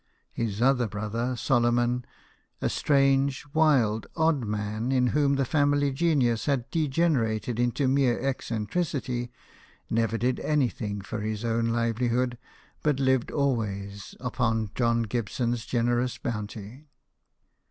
His other brother, Solomon, a strange, wild, odd man, in whom the family genius had degenerated into mere eccentricity, nev(>r did anything for his own livelihood, but lived always upon John Gibson's generous bounty.